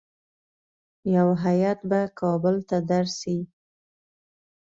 یو هیات به کابل ته درسي.